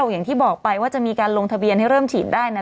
อย่างที่บอกไปว่าจะมีการลงทะเบียนให้เริ่มฉีดได้นะ